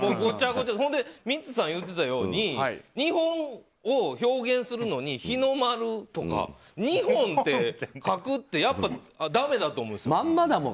ミッツさんが言うてたように日本を表現するのに日の丸とか「日本」って書くって、やっぱりだめだと思うんですよ。